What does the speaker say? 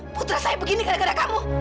putra saya begini gara gara kamu